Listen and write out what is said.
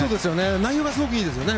内容がすごくいいですよね